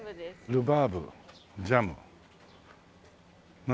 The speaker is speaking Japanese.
「ルバーブジャム」何？